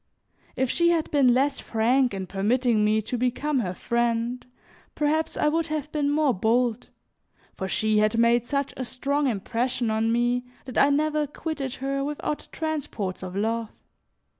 If she had been less frank in permitting me to become her friend, perhaps I would have been more bold, for she had made such a strong impression on me, that I never quitted her without transports of love.